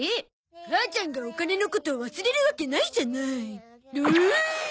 母ちゃんがお金のこと忘れるわけないじゃない。